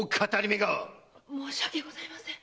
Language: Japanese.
申し訳ございません！